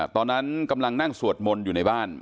ตอนนั้นกำลังนั่งสวดมนต์อยู่ในบ้าน